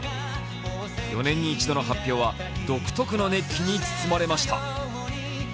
４年に一度の発表は独特の熱気に包まれました。